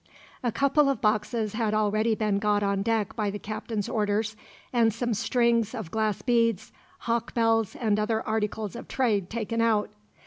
A couple of boxes had already been got on deck by the captain's orders, and some strings of glass beads, hawk bells, and other articles of trade taken out.